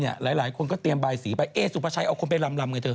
หลายคนก็เตรียมใบสีไปเอสุภาชัยเอาคนไปลำไงเธอ